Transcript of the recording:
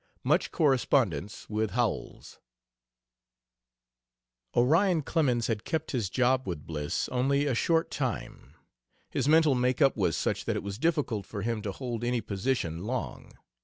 MUCH CORRESPONDENCE WITH HOWELLS Orion Clemens had kept his job with Bliss only a short time. His mental make up was such that it was difficult for him to hold any position long.